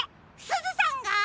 すずさんが？